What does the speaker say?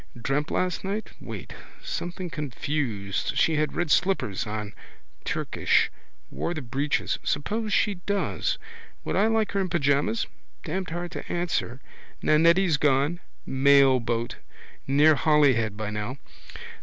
Dreamt last night? Wait. Something confused. She had red slippers on. Turkish. Wore the breeches. Suppose she does? Would I like her in pyjamas? Damned hard to answer. Nannetti's gone. Mailboat. Near Holyhead by now.